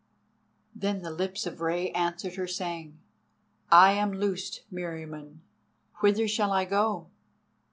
Then the lips of Rei answered her, saying: "I am loosed, Meriamun. Whither shall I go?"